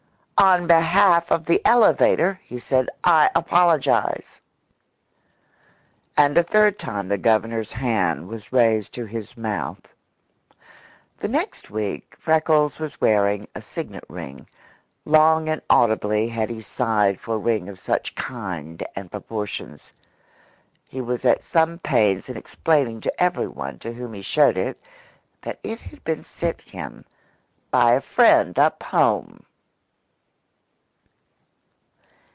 "On behalf of the elevator," he said, "I apologise." And a third time the Governor's hand was raised to his mouth. The next week Freckles was wearing a signet ring; long and audibly had he sighed for a ring of such kind and proportions. He was at some pains in explaining to everyone to whom he showed it that it had been sent him by "a friend up home."